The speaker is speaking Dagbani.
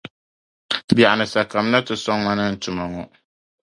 Biɛɣuni sa kamina nti sɔŋ ma ni n tuma ŋɔ.